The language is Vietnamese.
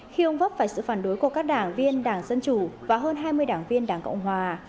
khi ông vấp phải sự phản đối của các đảng viên đảng dân chủ và hơn hai mươi đảng viên đảng cộng hòa